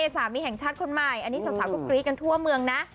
สามีแห่งชาติคนใหม่อันนี้สาวก็กรี๊ดกันทั่วเมืองนะ